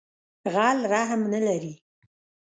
غل رحم نه لری